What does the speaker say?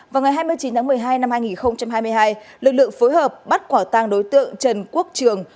vào ngày hai mươi chín tháng một mươi hai năm hai nghìn hai mươi hai lực lượng phối hợp bắt quả tàng đối tượng trần quốc trường